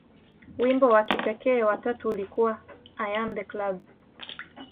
Wimbo wa kipekee wa tatu ulikuwa "I Am The Club".